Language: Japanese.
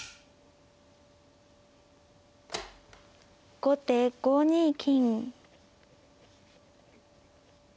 後手５二金。